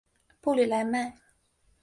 布吕莱迈。